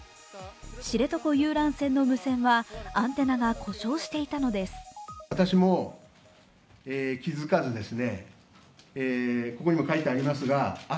知床遊覧船の無線はアンテナが故障していたのです。